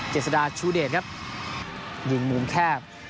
เจษฎาชูเดชครับยิงมุมแคบ